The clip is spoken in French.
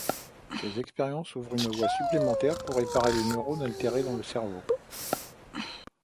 Ces expériences ouvrent une voie supplémentaire pour réparer les neurones altérés dans le cerveau.